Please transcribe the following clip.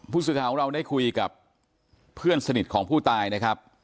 ผู้สื่อข่าวของเราได้คุยกับเพื่อนสนิทของผู้ตายนะครับ